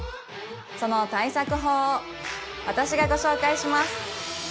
その対策法を私がご紹介します